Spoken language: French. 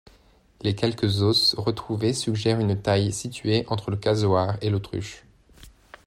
Les quelques os retrouvés suggèrent une taille située entre le casoar et l'autruche.